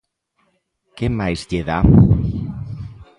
¿Que máis lle dá?